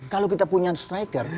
kalau kita punya striker